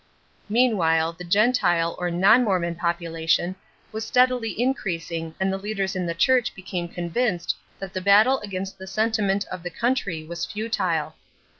Meanwhile the Gentile or non Mormon population was steadily increasing and the leaders in the Church became convinced that the battle against the sentiment of the country was futile.